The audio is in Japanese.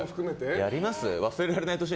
やります？